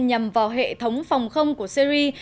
nhằm vào hệ thống phòng không của syria